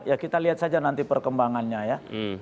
ya kita lihat saja nanti perkembangannya ya